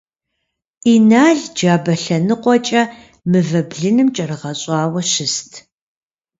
Инал джабэ лъэныкъуэкӀэ мывэ блыным кӀэрыгъэщӀауэ щыст.